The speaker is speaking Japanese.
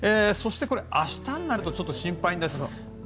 そしてこれ、明日になるとちょっと心配です。